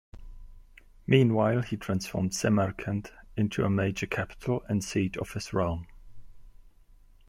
Meanwhile, he transformed Samarkand into a major capital and seat of his realm.